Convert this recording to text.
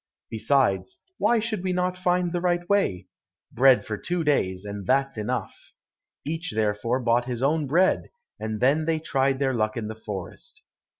Besides, why should we not find the right way? Bread for two days, and that's enough." Each, therefore, bought his own bread, and then they tried their luck in the forest.